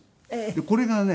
これがね